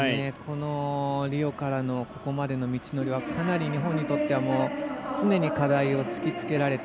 リオからのここまでの道のりはかなり日本にとっては常に課題を突きつけられた。